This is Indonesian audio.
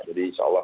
jadi insya allah